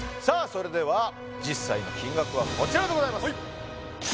それでは実際の金額はこちらでございます